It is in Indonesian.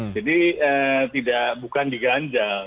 jadi bukan diganjal